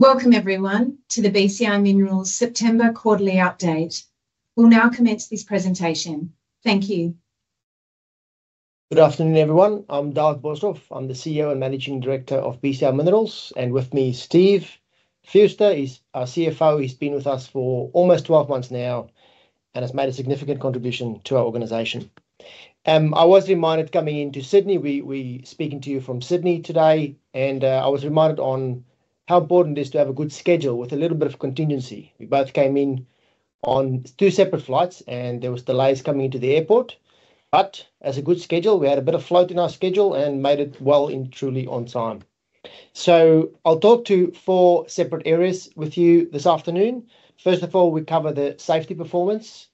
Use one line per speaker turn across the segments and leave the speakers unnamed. Welcome everyone to the BCI Minerals September Quarterly Update. We'll now commence this presentation. Thank you.
Good afternoon, everyone. I'm David Boshoff. I'm the CEO and Managing Director of BCI Minerals, and with me is Steve Fewster. He's our CFO. He's been with us for almost 12 months now and has made a significant contribution to our organization. I was reminded coming into Sydney. We're speaking to you from Sydney today, and I was reminded on how important it is to have a good schedule with a little bit of contingency. We both came in on 2 separate flights, and there was delays coming into the airport. But as a good schedule, we had a bit of float in our schedule and made it well and truly on time. So I'll talk to 4 separate areas with you this afternoon. First of all, we cover the safety performance.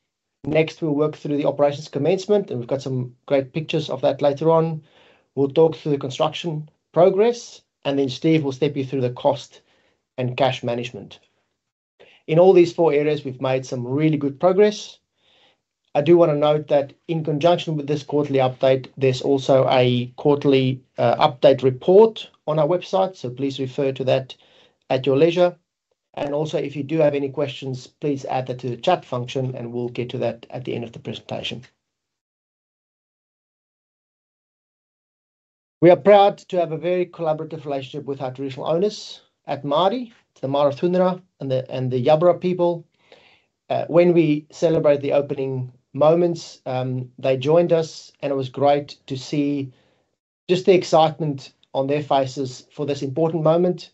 Next, we'll work through the operations commencement, and we've got some great pictures of that later on. We'll talk through the construction progress, and then Steve will step you through the cost and cash management. In all these 4 areas, we've made some really good progress. I do want to note that in conjunction with this quarterly update, there's also a quarterly update report on our website, so please refer to that at your leisure. And also, if you do have any questions, please add that to the chat function, and we'll get to that at the end of the presentation. We are proud to have a very collaborative relationship with our traditional owners at Mardie, the Mardudhunera and the Yaburara people. When we celebrate the opening moments, they joined us, and it was great to see just the excitement on their faces for this important moment.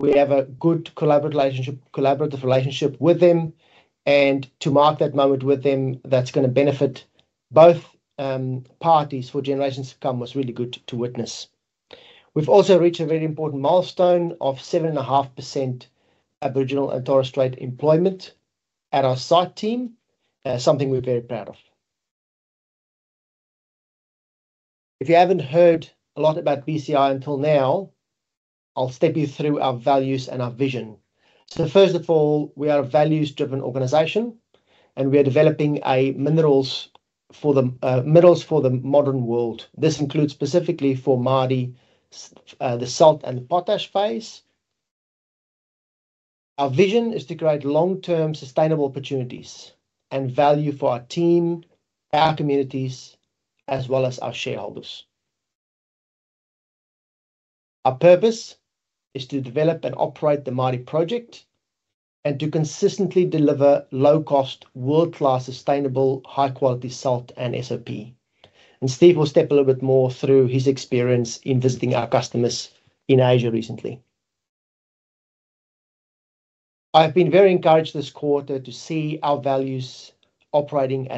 We have a good collaborative relationship with them, and to mark that moment with them, that's going to benefit both parties for generations to come, was really good to witness. We've also reached a very important milestone of 7.5% Aboriginal and Torres Strait employment at our site team. Something we're very proud of. If you haven't heard a lot about BCI until now, I'll step you through our values and our vision. So first of all, we are a values-driven organization, and we are developing minerals for the modern world. This includes specifically for Mardie, the salt and potash phase. Our vision is to create long-term, sustainable opportunities and value for our team, our communities, as well as our shareholders. Our purpose is to develop and operate the Mardie project and to consistently deliver low-cost, world-class, sustainable, high-quality salt and SOP. And Steve will step a little bit more through his experience in visiting our customers in Asia recently. I've been very encouraged this quarter to see our values operating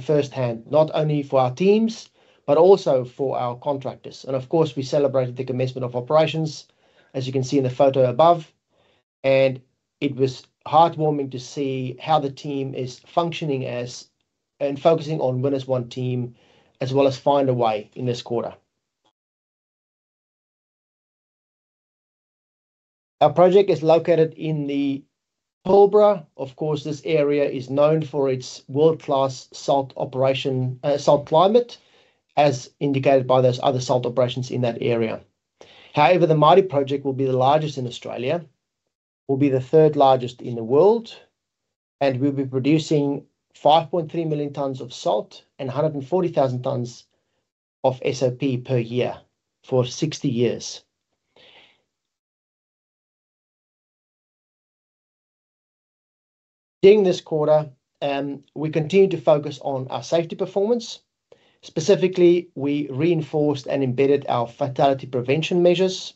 firsthand, not only for our teams, but also for our contractors. And of course, we celebrated the commencement of operations, as you can see in the photo above, and it was heartwarming to see how the team is functioning as one and focusing on winning as one team, as well as finding a way in this quarter. Our project is located in the Pilbara. Of course, this area is known for its world-class salt operation, salt climate, as indicated by those other salt operations in that area. However, the Mardie project will be the largest in Australia, will be the third largest in the world, and we'll be producing 5.3 million tons of salt and 140,000 tons of SOP per year for 60 years. During this quarter, we continued to focus on our safety performance. Specifically, we reinforced and embedded our fatality prevention measures,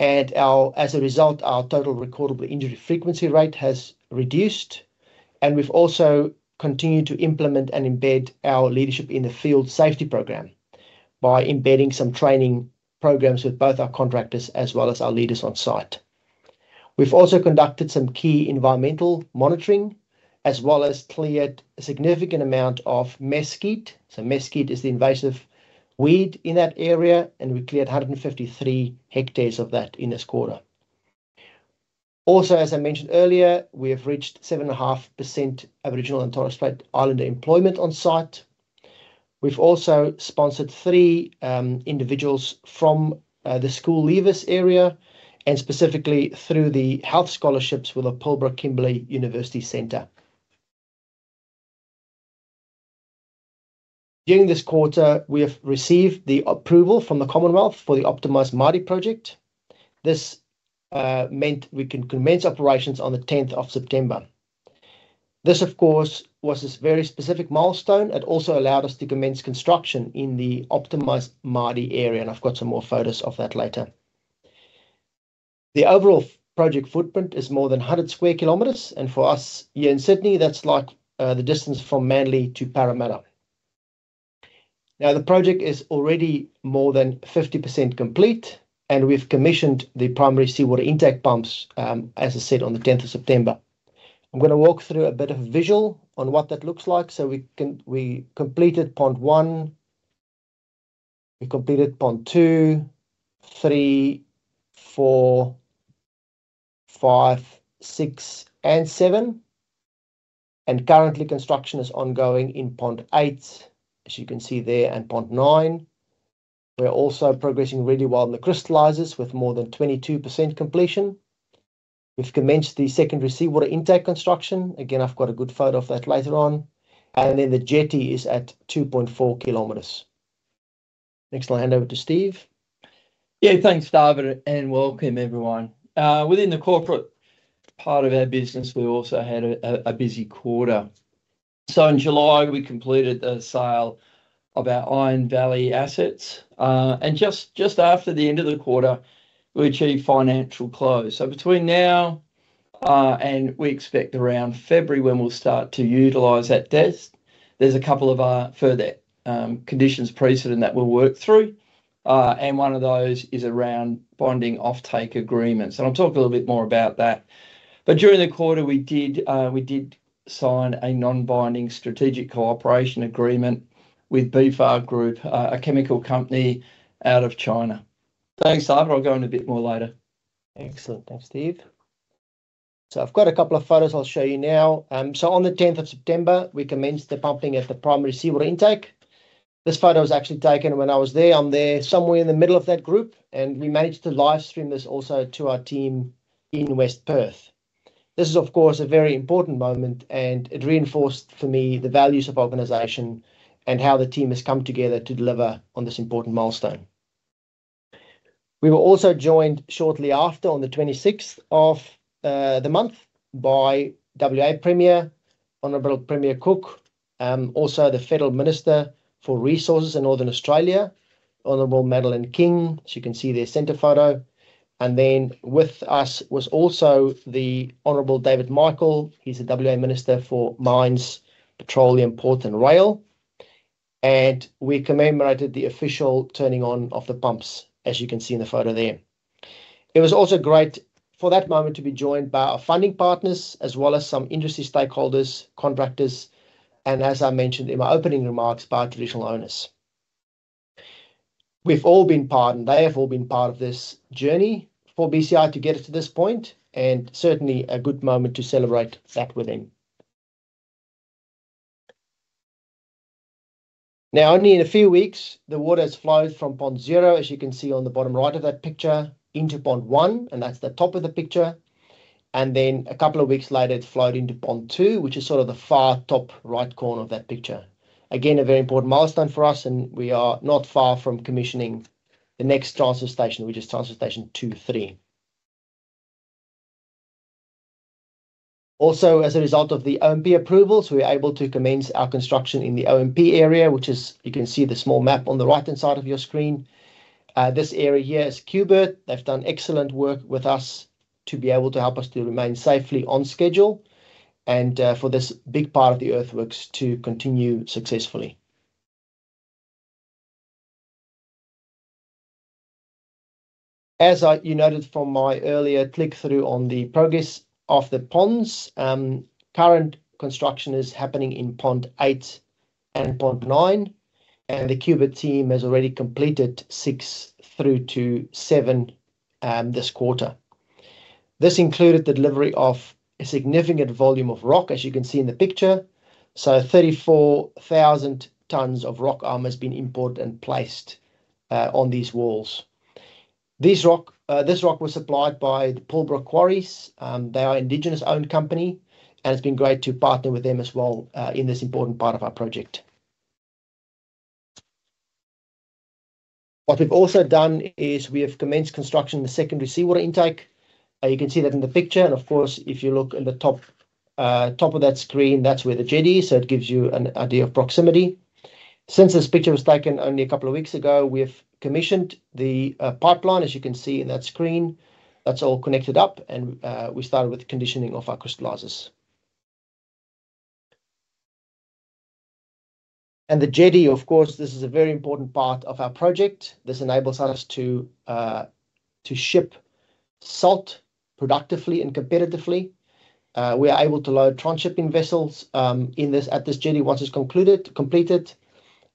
and, as a result, our total recordable injury frequency rate has reduced, and we've also continued to implement and embed our leadership in the Field Safety Program by embedding some training programs with both our contractors as well as our leaders on site. We've also conducted some key environmental monitoring, as well as cleared a significant amount of mesquite. Mesquite is the invasive weed in that area, and we cleared 153 hectares of that in this quarter. Also, as I mentioned earlier, we have reached 7.5% Aboriginal and Torres Strait Islander employment on site. We've also sponsored 3 individuals from the school leavers area and specifically through the health scholarships with the Pilbara Kimberley University Centre. During this quarter, we have received the approval from the Commonwealth for the optimized Mardie project. This meant we can commence operations on the tenth of September. This, of course, was a very specific milestone. It also allowed us to commence construction in the optimized Mardie area, and I've got some more photos of that later. The overall project footprint is more than 100 sq km, and for us here in Sydney, that's like the distance from Manly to Parramatta. Now, the project is already more than 50% complete, and we've commissioned the primary seawater intake pumps, as I said, on the tenth of September. I'm going to walk through a bit of a visual on what that looks like. We completed Pond 1, we completed Pond 2, 3, 4, 5, 6, and 7, and currently construction is ongoing in Pond 8, as you can see there, and Pond 9. We're also progressing really well in the crystallizers, with more than 22% completion. We've commenced the secondary seawater intake construction. Again, I've got a good photo of that later on, and then the jetty is at 2.4 kilometers. Next, I'll hand over to Steve.
Yeah, thanks, David, and welcome, everyone. Within the corporate part of our business, we also had a busy quarter. In July, we completed the sale of our Iron Valley assets. Just after the end of the quarter, we achieved financial close. Between now and we expect around February when we'll start to utilize that debt, there's a couple of further conditions precedent that we'll work through. One of those is around binding offtake agreements, and I'll talk a little bit more about that. During the quarter, we did sign a non-binding strategic cooperation agreement with Befar Group, a chemical company out of China. Thanks, David. I'll go into a bit more later.
Excellent. Thanks, Steve. So I've got a couple of photos I'll show you now. On the tenth of September, we commenced the pumping at the primary seawater intake. This photo was actually taken when I was there. I'm there, somewhere in the middle of that group, and we managed to live stream this also to our team in West Perth. This is, of course, a very important moment, and it reinforced for me the values of our organization and how the team has come together to deliver on this important milestone. We were also joined shortly after, on the 26th of the month, by WA Premier, Honourable Premier Cook, also the Federal Minister for Resources in Northern Australia, Honourable Madeleine King, as you can see there, center photo. And then, with us was also the Honourable David Michael. He's the WA Minister for Mines, Petroleum, Ports and Rail, and we commemorated the official turning on of the pumps, as you can see in the photo there. It was also great for that moment to be joined by our funding partners, as well as some industry stakeholders, contractors, and as I mentioned in my opening remarks, by traditional owners. We've all been part, and they have all been part of this journey for BCI to get us to this point, and certainly a good moment to celebrate that with them. Now, only in a few weeks, the water has flowed from Pond 0, as you can see on the bottom right of that picture, into Pond 1, and that's the top of the picture. And then, a couple of weeks later, it flowed into Pond 2, which is sort of the far top right corner of that picture. Again, a very important milestone for us, and we are not far from commissioning the next transfer station, which is transfer station 2-3. Also, as a result of the OMP approvals, we're able to commence our construction in the OMP area, which is. You can see the small map on the right-hand side of your screen. This area here is QBirt. They've done excellent work with us to be able to help us to remain safely on schedule and for this big part of the earthworks to continue successfully. As you noted from my earlier click-through on the progress of the ponds, current construction is happening in Pond 8 and Pond 9, and the QBirt team has already completed 6 through to 7 this quarter. This included the delivery of a significant volume of rock, as you can see in the picture. 34,000 tons of rock armor has been imported and placed on these walls. This rock was supplied by the Pilbara Quarries. They are an indigenous-owned company, and it's been great to partner with them as well in this important part of our project. What we've also done is we have commenced construction on the secondary seawater intake. You can see that in the picture, and of course, if you look in the top of that screen, that's where the jetty is, so it gives you an idea of proximity. Since this picture was taken only a couple of weeks ago, we've commissioned the pipeline, as you can see in that screen. That's all connected up, and we started with the conditioning of our crystallizers. And the jetty, of course, this is a very important part of our project. This enables us to ship salt productively and competitively. We are able to load transshipping vessels at this jetty once it's completed.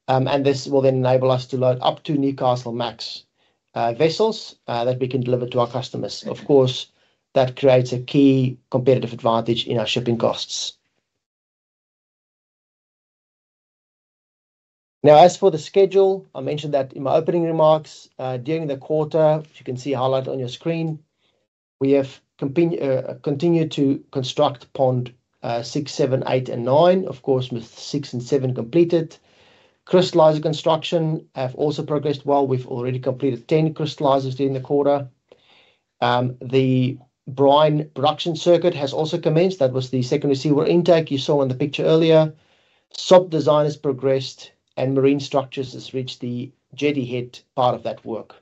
And this will then enable us to load up to Newcastlemax vessels that we can deliver to our customers. Of course, that creates a key competitive advantage in our shipping costs. Now, as for the schedule, I mentioned that in my opening remarks during the quarter, which you can see highlighted on your screen, we have continued to construct Pond 6, 7, 8, and 9. Of course, with 6 and 7 completed. Crystallizer construction have also progressed well. We've already completed 10 crystallizers during the quarter. The brine production circuit has also commenced. That was the secondary seawater intake you saw in the picture earlier. SOP design has progressed, and marine structures has reached the jetty head part of that work.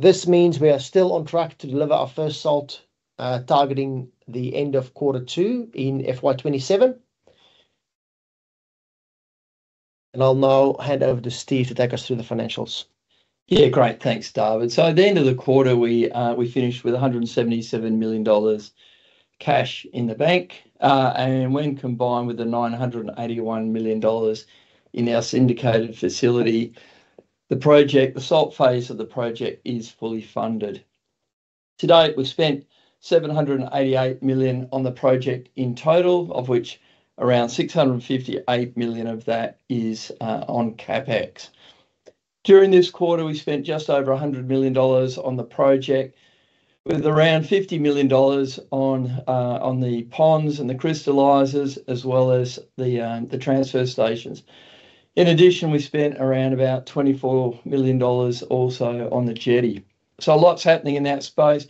This means we are still on track to deliver our first salt, targeting the end of quarter 2 in FY 2027, and I'll now hand over to Steve to take us through the financials.
Yeah, great. Thanks, David. So at the end of the quarter, we finished with 177 million dollars cash in the bank. And when combined with the 981 million dollars in our syndicated facility. The project, the salt phase of the project is fully funded. To date, we've spent 788 million on the project in total, of which around 658 million of that is on CapEx. During this quarter, we spent just over 100 million dollars on the project, with around 50 million dollars on the ponds and the crystallizers, as well as the transfer stations. In addition, we spent around about 24 million dollars also on the jetty. So a lot's happening in that space.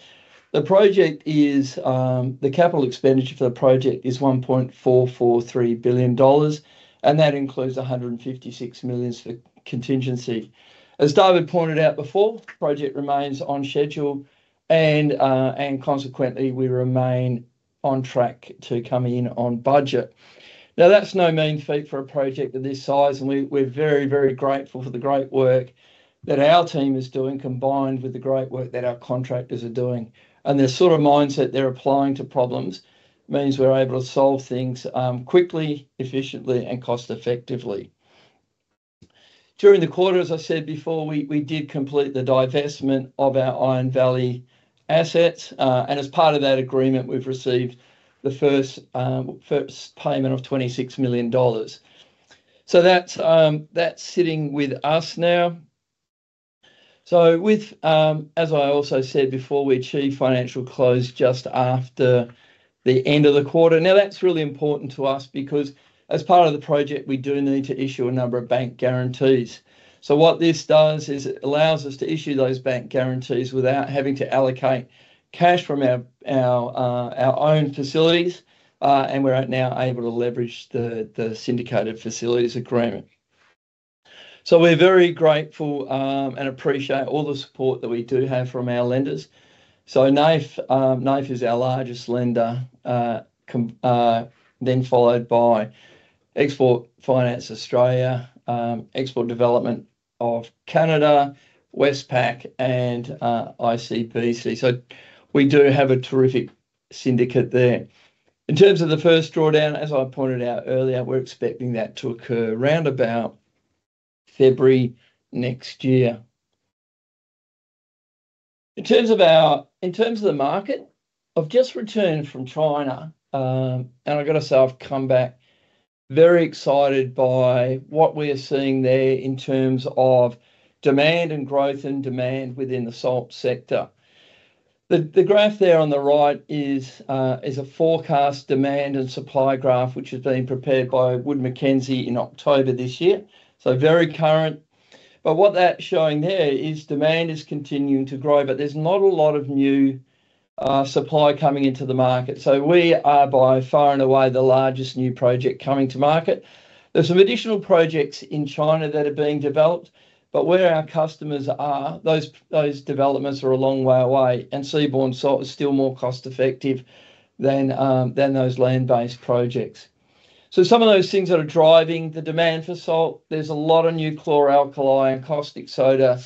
The project is the capital expenditure for the project is 1.443 billion dollars, and that includes 156 million for contingency. As David pointed out before, the project remains on schedule, and consequently, we remain on track to come in on budget. Now, that's no mean feat for a project of this size, and we're very, very grateful for the great work that our team is doing, combined with the great work that our contractors are doing. And the sort of mindset they're applying to problems means we're able to solve things quickly, efficiently, and cost-effectively. During the quarter, as I said before, we did complete the divestment of our Iron Valley assets. And as part of that agreement, we've received the first payment of 26 million dollars. So that's, that's sitting with us now. So with, as I also said before, we achieved financial close just after the end of the quarter. Now, that's really important to us because as part of the project, we do need to issue a number of bank guarantees. So what this does is it allows us to issue those bank guarantees without having to allocate cash from our own facilities, and we're now able to leverage the syndicated facilities agreement. So we're very grateful, and appreciate all the support that we do have from our lenders. So NAIF is our largest lender, then followed by Export Finance Australia, Export Development Canada, Westpac, and ICBC. So we do have a terrific syndicate there. In terms of the first drawdown, as I pointed out earlier, we're expecting that to occur around about February next year. In terms of the market, I've just returned from China, and I've got to say I've come back very excited by what we are seeing there in terms of demand, and growth, and demand within the salt sector. The graph there on the right is a forecast demand and supply graph, which has been prepared by Wood Mackenzie in October this year, so very current. But what that's showing there is demand is continuing to grow, but there's not a lot of new supply coming into the market. So we are by far and away the largest new project coming to market. There's some additional projects in China that are being developed, but where our customers are, those developments are a long way away, and seaborne salt is still more cost-effective than those land-based projects. So some of those things that are driving the demand for salt, there's a lot of new chloralkali and caustic soda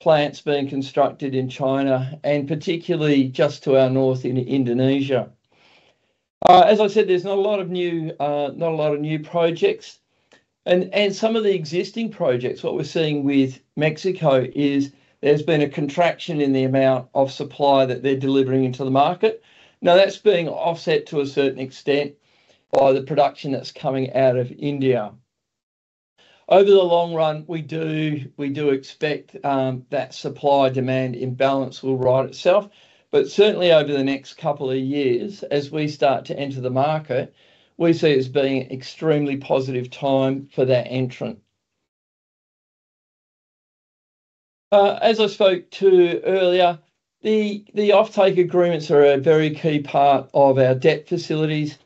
plants being constructed in China, and particularly just to our north in Indonesia. As I said, there's not a lot of new projects, and some of the existing projects, what we're seeing with Mexico is there's been a contraction in the amount of supply that they're delivering into the market. Now, that's being offset to a certain extent by the production that's coming out of India. Over the long run, we do expect that supply-demand imbalance will right itself, but certainly over the next couple of years, as we start to enter the market, we see it as being extremely positive time for that entrant. As I spoke to earlier, the offtake agreements are a very key part of our debt facilities,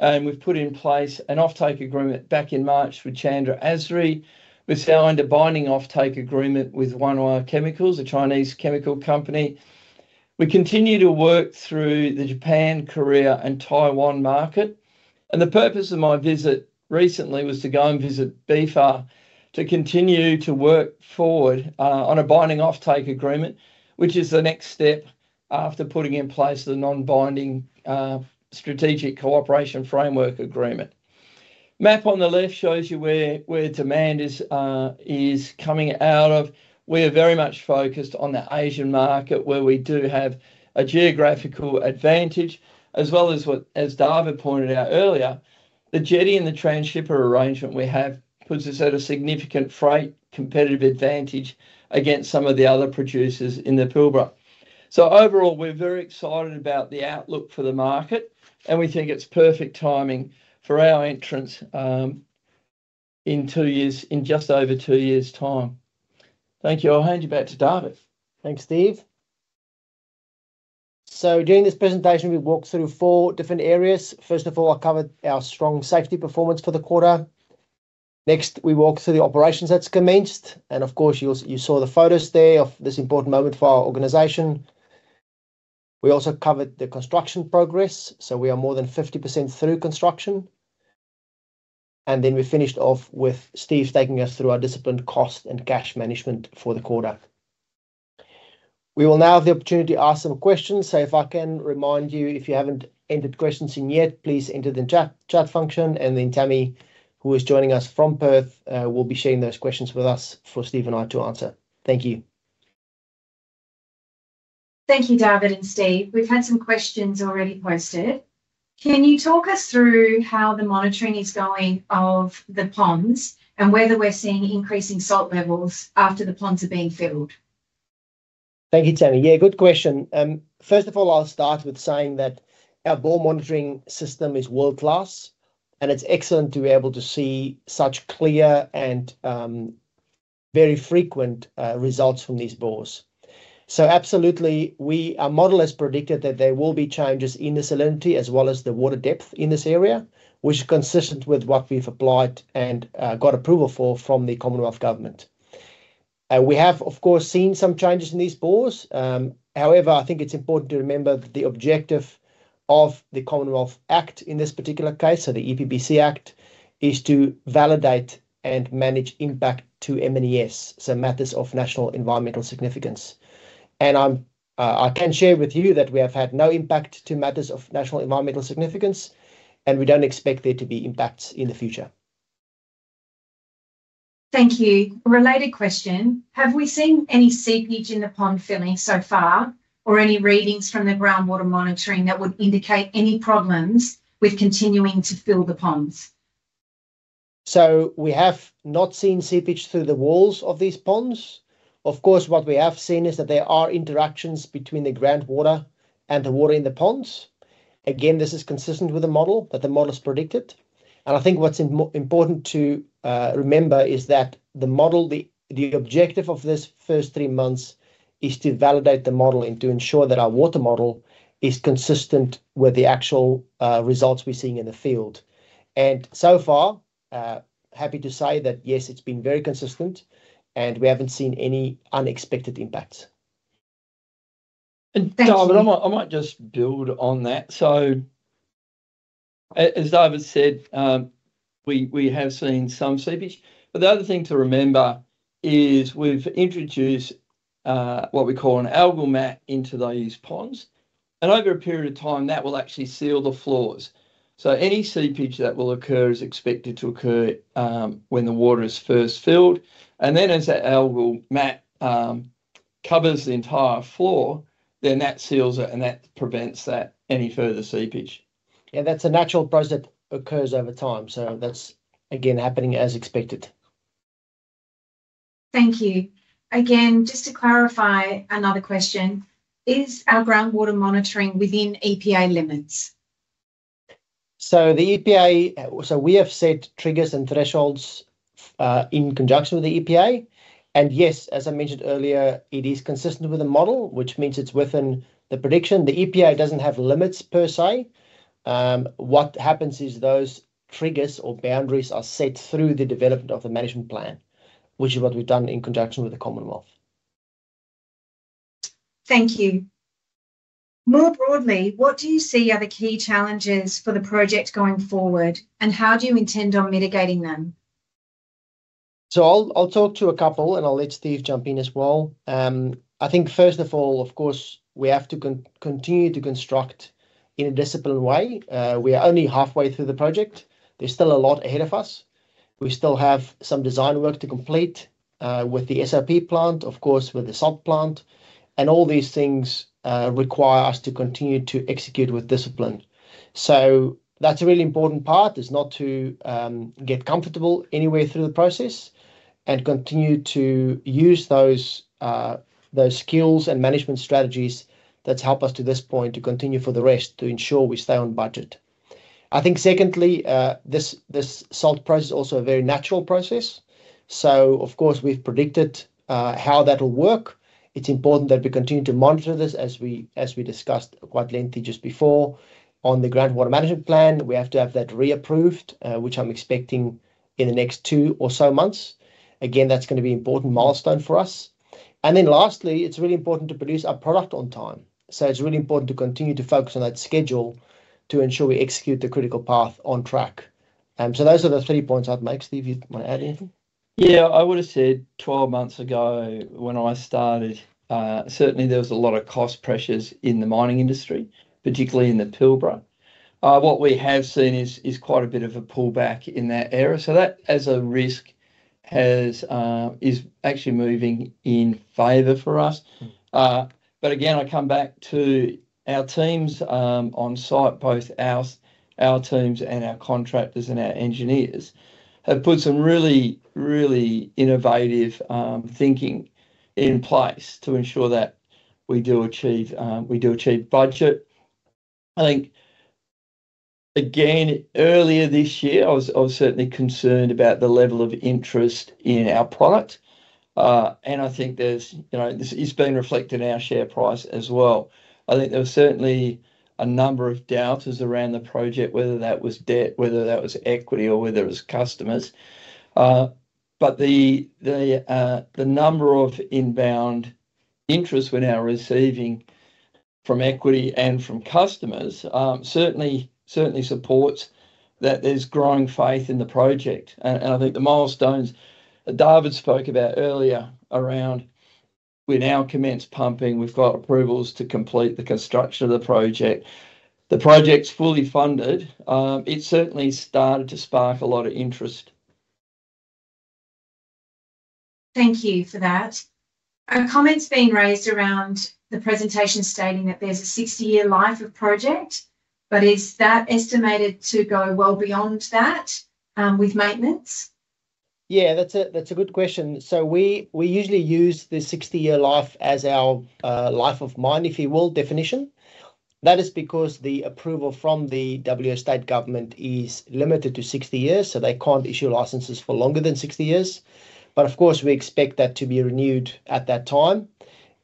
and we've put in place an offtake agreement back in March with Chandra Asri. We signed a binding offtake agreement with Wanhua Chemical, a Chinese chemical company. We continue to work through the Japan, Korea, and Taiwan market, and the purpose of my visit recently was to go and visit Befar to continue to work forward on a binding offtake agreement, which is the next step after putting in place the non-binding strategic cooperation framework agreement. Map on the left shows you where demand is coming out of. We are very much focused on the Asian market, where we do have a geographical advantage, as well as, as David pointed out earlier, the jetty and the transshipment arrangement we have puts us at a significant freight competitive advantage against some of the other producers in the Pilbara. So overall, we're very excited about the outlook for the market, and we think it's perfect timing for our entrance, in 2 years, in just over 2 years' time. Thank you. I'll hand you back to David.
Thanks, Steve, so during this presentation, we walked through 4 different areas. First of all, I covered our strong safety performance for the quarter. Next, we walked through the operations that's commenced, and of course, you saw the photos there of this important moment for our organization. We also covered the construction progress, so we are more than 50% through construction, and then we finished off with Steve taking us through our disciplined cost and cash management for the quarter. We will now have the opportunity to ask some questions, so if I can remind you, if you haven't entered questions in yet, please enter the chat function, and then Tammie, who is joining us from Perth, will be sharing those questions with us for Steve and I to answer. Thank you.
Thank you, David and Steve. We've had some questions already posted. Can you talk us through how the monitoring is going of the ponds and whether we're seeing increasing salt levels after the ponds have been filled?
Thank you, Tammie. Yeah, good question. First of all, I'll start with saying that our bore monitoring system is world-class, and it's excellent to be able to see such clear and very frequent results from these bores. So absolutely, our model has predicted that there will be changes in the salinity as well as the water depth in this area, which is consistent with what we've applied and got approval for from the Commonwealth Government, and we have, of course, seen some changes in these bores. However, I think it's important to remember that the objective of the Commonwealth Act in this particular case, so the EPBC Act, is to validate and manage impact to MNES, so Matters of National Environmental Significance. And I'm, I can share with you that we have had no impact to Matters of National Environmental Significance, and we don't expect there to be impacts in the future.
Thank you. A related question: have we seen any seepage in the pond filling so far, or any readings from the groundwater monitoring that would indicate any problems with continuing to fill the ponds?
So we have not seen seepage through the walls of these ponds. Of course, what we have seen is that there are interactions between the groundwater and the water in the ponds. Again, this is consistent with the model, that the model's predicted. And I think what's important to remember is that the model, the objective of this first 3 months is to validate the model and to ensure that our water model is consistent with the actual results we're seeing in the field. And so far, happy to say that, yes, it's been very consistent, and we haven't seen any unexpected impacts.
Thanks-
And David, I might just build on that. So as David said, we have seen some seepage, but the other thing to remember is we've introduced what we call an algal mat into these ponds, and over a period of time, that will actually seal the floors. So any seepage that will occur is expected to occur when the water is first filled, and then as that algal mat covers the entire floor, then that seals it, and that prevents any further seepage.
Yeah, that's a natural process that occurs over time, so that's again happening as expected.
Thank you. Again, just to clarify another question, is our groundwater monitoring within EPA limits?
So the EPA, we have set triggers and thresholds, in conjunction with the EPA. And yes, as I mentioned earlier, it is consistent with the model, which means it's within the prediction. The EPA doesn't have limits per se. What happens is those triggers or boundaries are set through the development of the management plan, which is what we've done in conjunction with the Commonwealth.
Thank you. More broadly, what do you see are the key challenges for the project going forward, and how do you intend on mitigating them?
So I'll talk to a couple, and I'll let Steve jump in as well. I think first of all, of course, we have to continue to construct in a disciplined way. We are only halfway through the project. There's still a lot ahead of us. We still have some design work to complete with the SOP plant, of course, with the salt plant, and all these things require us to continue to execute with discipline. So that's a really important part, is not to get comfortable anywhere through the process and continue to use those skills and management strategies that's helped us to this point to continue for the rest to ensure we stay on budget. I think secondly, this salt process is also a very natural process, so of course, we've predicted how that will work. It's important that we continue to monitor this, as we discussed quite lengthily just before. On the groundwater management plan, we have to have that reapproved, which I'm expecting in the next 2 or so months. Again, that's going to be important milestone for us. And then lastly, it's really important to produce our product on time, so it's really important to continue to focus on that schedule to ensure we execute the critical path on track. So those are the 3 points I'd make. Steve, you want to add anything?
Yeah. I would've said twelve months ago when I started, certainly there was a lot of cost pressures in the mining industry, particularly in the Pilbara. What we have seen is quite a bit of a pullback in that area, so that as a risk has is actually moving in favor for us. But again, I come back to our teams on site, both our teams and our contractors and our engineers have put some really, really innovative thinking in place to ensure that we do achieve, we do achieve budget. I think, again, earlier this year, I was certainly concerned about the level of interest in our product, and I think there's, you know, this is being reflected in our share price as well. I think there was certainly a number of doubters around the project, whether that was debt, whether that was equity, or whether it was customers. But the number of inbound interest we're now receiving from equity and from customers certainly supports that there's growing faith in the project. And I think the milestones that David spoke about earlier around we've now commenced pumping, we've got approvals to complete the construction of the project. The project's fully funded. It certainly started to spark a lot of interest.
Thank you for that. A comment's been raised around the presentation stating that there's a 60-year life of project, but is that estimated to go well beyond that, with maintenance?
Yeah, that's a good question. So we usually use the 60-year life as our life of mine, if you will, definition. That is because the approval from the WA State Government is limited to 60 years, so they can't issue licenses for longer than 60 years. But of course, we expect that to be renewed at that time.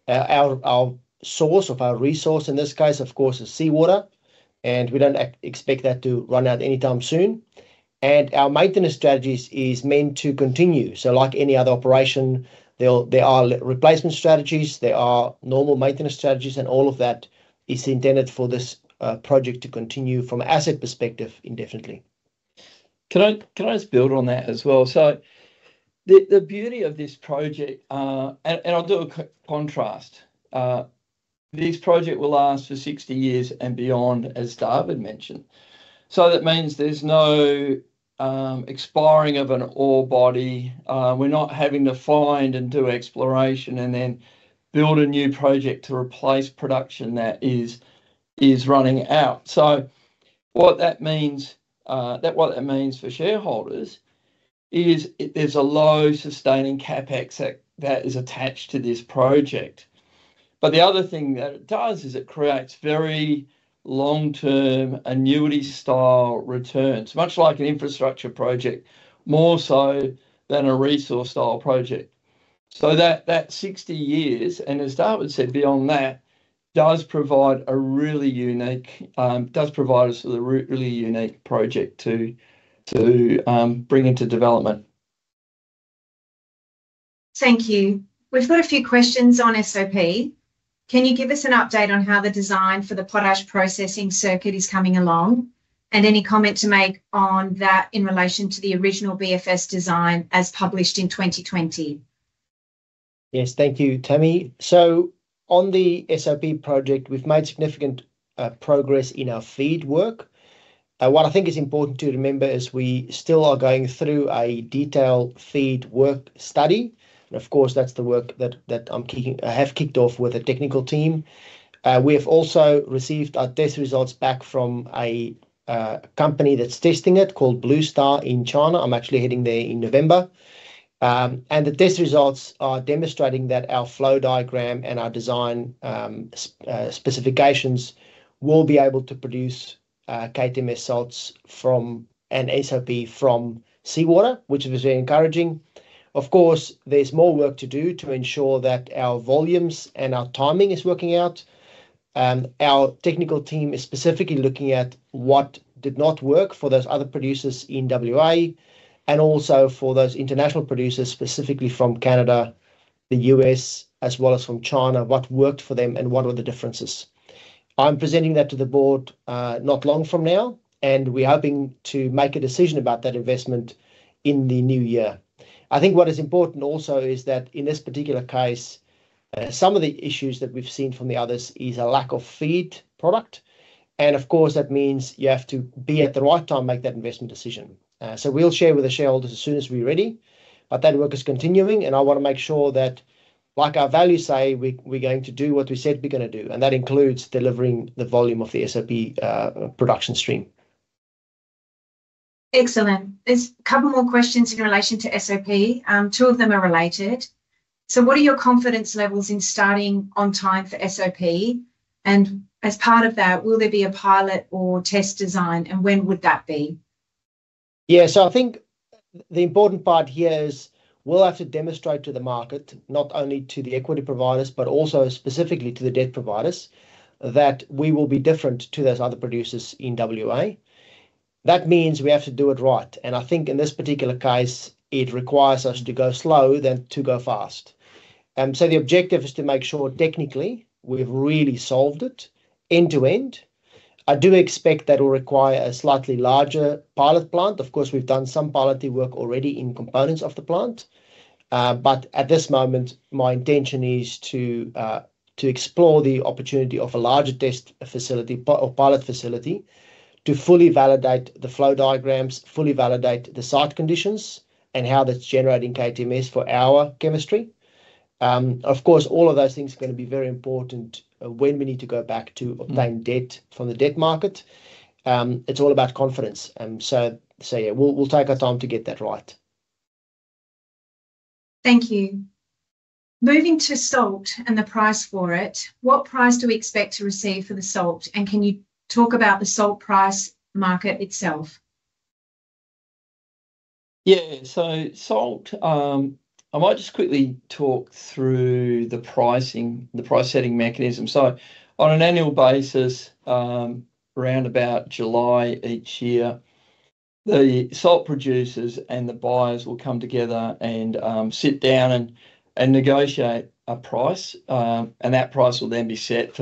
Our source of our resource in this case, of course, is seawater, and we don't expect that to run out anytime soon. And our maintenance strategies is meant to continue. So like any other operation, there are replacement strategies, there are normal maintenance strategies, and all of that is intended for this project to continue from an asset perspective indefinitely.
Can I just build on that as well? So the beauty of this project, and I'll do a quick contrast. This project will last for 60 years and beyond, as David mentioned. So that means there's no expiring of an ore body. We're not having to find and do exploration and then build a new project to replace production that is running out. So what that means for shareholders is there's a low sustaining CapEx that is attached to this project. But the other thing that it does is it creates very long-term annuity-style returns, much like an infrastructure project, more so than a resource-style project. So that 60 years, and as David said, beyond that, does provide us with a really unique project to bring into development.
Thank you. We've got a few questions on SOP. Can you give us an update on how the design for the potash processing circuit is coming along? And any comment to make on that in relation to the original BFS design as published in 2020?
Yes. Thank you, Tammie. So on the SOP project, we've made significant progress in our feed work. What I think is important to remember is we still are going through a detailed feed work study, and of course, that's the work that I have kicked off with the technical team. We have also received our test results back from a company that's testing it called Bluestar in China. I'm actually heading there in November, and the test results are demonstrating that our flow diagram and our design specifications will be able to produce KTMS and SOP from seawater, which is very encouraging. Of course, there's more work to do to ensure that our volumes and our timing is working out. Our technical team is specifically looking at what did not work for those other producers in WA, and also for those international producers, specifically from Canada, the US, as well as from China, what worked for them, and what were the differences? I'm presenting that to the board, not long from now, and we're hoping to make a decision about that investment in the new year. I think what is important also is that in this particular case, some of the issues that we've seen from the others is a lack of feed product. And of course, that means you have to be at the right time, make that investment decision. So we'll share with the shareholders as soon as we're ready. But that work is continuing, and I want to make sure that, like our values say, we're going to do what we said we're going to do, and that includes delivering the volume of the SOP production stream.
Excellent. There's a couple more questions in relation to SOP. 2 of them are related. So what are your confidence levels in starting on time for SOP? And as part of that, will there be a pilot or test design, and when would that be?
Yeah, so I think the important part here is we'll have to demonstrate to the market, not only to the equity providers, but also specifically to the debt providers, that we will be different to those other producers in WA. That means we have to do it right, and I think in this particular case, it requires us to go slow than to go fast. So the objective is to make sure technically we've really solved it end-to-end. I do expect that will require a slightly larger pilot plant. Of course, we've done some pilot work already in components of the plant. But at this moment, my intention is to explore the opportunity of a larger test facility, or pilot facility, to fully validate the flow diagrams, fully validate the site conditions, and how that's generating KTMS for our chemistry. Of course, all of those things are going to be very important when we need to go back to obtain debt from the debt market. It's all about confidence. Yeah, we'll take our time to get that right.
Thank you. Moving to salt and the price for it, what price do we expect to receive for the salt? And can you talk about the salt price market itself?
Yeah. So salt, I might just quickly talk through the pricing, the price-setting mechanism. So on an annual basis, around about July each year, the salt producers and the buyers will come together and sit down and negotiate a price. And that price will then be set,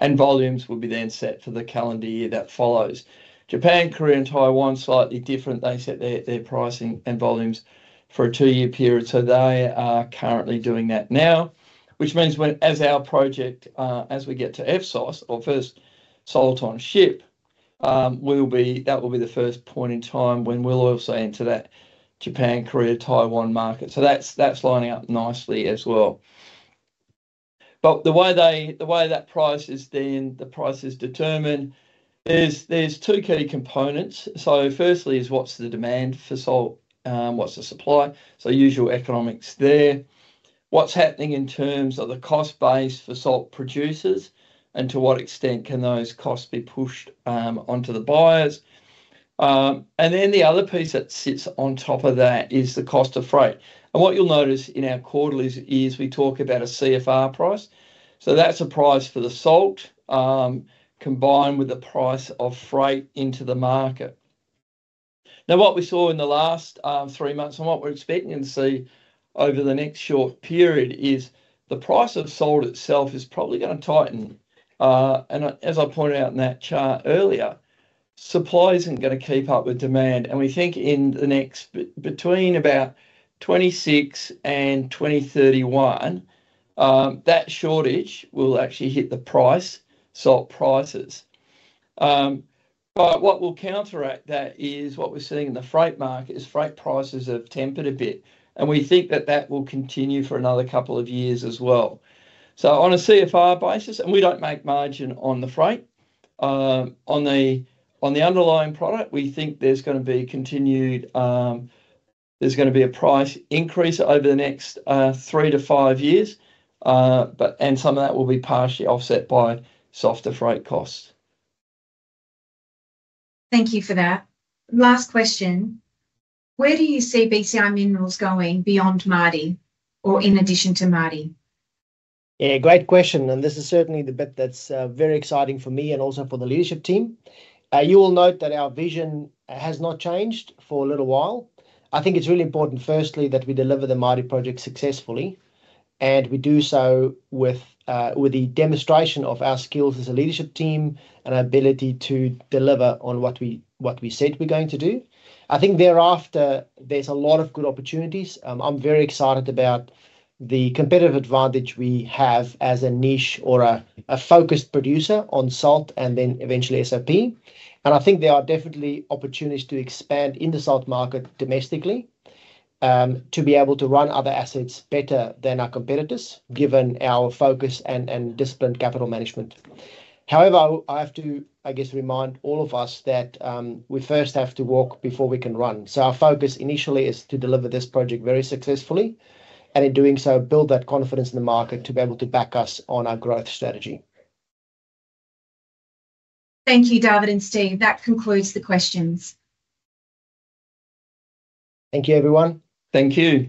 and volumes will be then set for the calendar year that follows. Japan, Korea, and Taiwan, slightly different. They set their pricing and volumes for a 2-year period. So they are currently doing that now, which means when, as our project, as we get to FSOS or first salt on ship, we'll be. That will be the first point in time when we'll also enter that Japan, Korea, Taiwan market. So that's lining up nicely as well. But the way they, the way that price is then, the price is determined, is there's 2 key components. So firstly is what's the demand for salt? What's the supply? So usual economics there. What's happening in terms of the cost base for salt producers, and to what extent can those costs be pushed onto the buyers? And then the other piece that sits on top of that is the cost of freight. And what you'll notice in our quarterlies is we talk about a CFR price. So that's a price for the salt, combined with the price of freight into the market. Now, what we saw in the last 3 months and what we're expecting to see over the next short period, is the price of salt itself is probably gonna tighten. And as I pointed out in that chart earlier, supply isn't gonna keep up with demand, and we think in the next between about 2026 and 2031, that shortage will actually hit the price, salt prices. But what will counteract that is what we're seeing in the freight market, is freight prices have tempered a bit, and we think that that will continue for another couple of years as well. So on a CFR basis, and we don't make margin on the freight, on the underlying product, we think there's gonna be continued, there's gonna be a price increase over the next 3 to 5 years. But and some of that will be partially offset by softer freight costs.
Thank you for that. Last question: where do you see BCI Minerals going beyond Mardie or in addition to Mardie?
Yeah, great question, and this is certainly the bit that's very exciting for me and also for the leadership team. You will note that our vision has not changed for a little while. I think it's really important, firstly, that we deliver the Mardie project successfully, and we do so with the demonstration of our skills as a leadership team and our ability to deliver on what we said we're going to do. I think thereafter, there's a lot of good opportunities. I'm very excited about the competitive advantage we have as a niche or a focused producer on salt and then eventually SOP. And I think there are definitely opportunities to expand in the salt market domestically, to be able to run other assets better than our competitors, given our focus and disciplined capital management. However, I have to, I guess, remind all of us that we first have to walk before we can run, so our focus initially is to deliver this project very successfully, and in doing so, build that confidence in the market to be able to back us on our growth strategy.
Thank you, David and Steve. That concludes the questions.
Thank you, everyone.
Thank you.